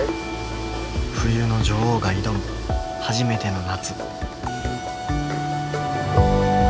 冬の女王が挑む初めての夏。